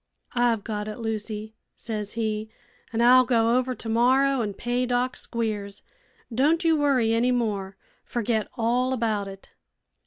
'I've got it, Lucy,' says he, 'an' I'll go over tomorrow an' pay Doc Squiers. Don' you worry any more. Forget all about it.'